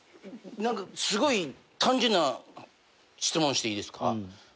すごい単純な質問していいですか？